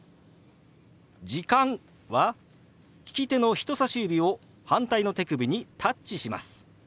「時間」は利き手の人さし指を反対の手首にタッチします。